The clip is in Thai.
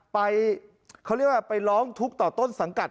ไปเขาเรียกว่าไปร้องทุกข์ต่อต้นสังกัด